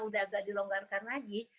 sudah agak dilonggarkan lagi